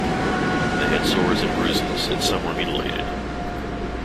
They had sores and bruises, and some were mutilated.